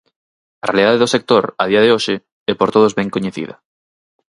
A realidade do sector, a día de hoxe, é por todos ben coñecida.